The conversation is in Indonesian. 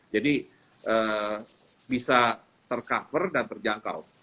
jadi bisa tercover dan terjangkau